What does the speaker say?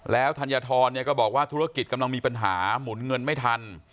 แล้วธัญฑรก็บอกว่าธุรกิจกำลังมีปัญหาหมุนเงินไม่ทัน